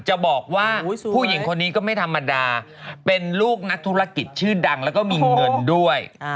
จะบอกว่าผู้หญิงคนนี้ก็ไม่ธรรมดาเป็นลูกนักธุรกิจชื่อดังแล้วก็มีเงินด้วย